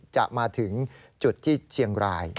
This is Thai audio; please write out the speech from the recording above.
จะมาถึงจุดที่เชียงราย